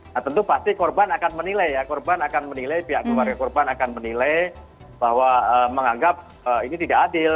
nah tentu pasti korban akan menilai pihak keluarga korban akan menilai bahwa menganggap ini tidak adil